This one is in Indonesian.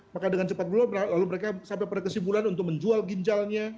maka dengan cepat belum lalu mereka sampai pada kesimpulan untuk menjual ginjalnya